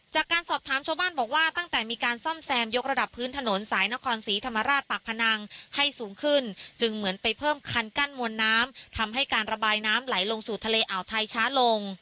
จากการสอบถามชาวบ้านบอกว่าตั้งแต่มีการซ่อมแซมยกระดับพื้นถนนสายนครศรีธรรมราชปากพนังให้สูงขึ้นจึงเหมือนไปเพิ่มคันกั้นมวลน้ำทำให้การระบายน้ำไหลลงสู่ทะเลอ่าวไทยช้าลง